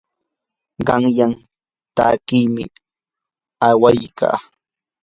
qanyan takiymi aywarqaa.